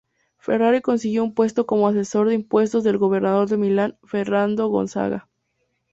Ferrari consiguió un puesto como asesor de impuestos del gobernador de Milán, Ferrando Gonzaga.